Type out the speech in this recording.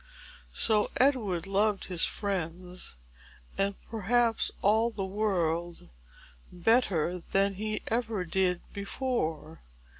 So Edward loved his friends, and perhaps all the world, better than he ever did before.